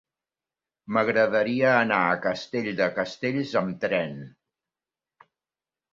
M'agradaria anar a Castell de Castells amb tren.